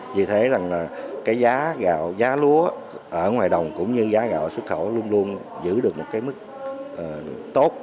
vì thế rằng cái giá gạo giá lúa ở ngoài đồng cũng như giá gạo xuất khẩu luôn luôn giữ được một cái mức tốt